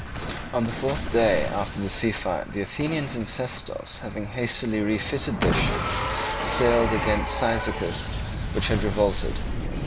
On the fourth day after the sea fight the Athenians in Sestos having hastily refitted their ships sailed against Cyzicus, which had revolted.